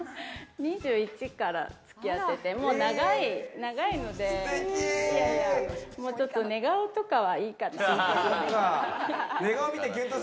２１から付き合ってて、もう長いので、もうちょっと顔とかはいいかなって。